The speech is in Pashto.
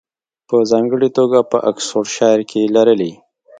په ځانګړې توګه په اکسفورډشایر کې یې لرلې